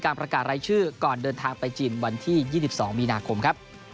ประกาศรายชื่อก่อนเดินทางไปจีนวันที่๒๒มีนาคมครับ